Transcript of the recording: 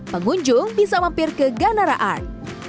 pengunjung bisa mampir ke ganara art